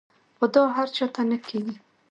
خو دا هر چاته نۀ کيږي -